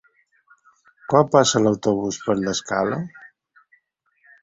Quan passa l'autobús per l'Escala?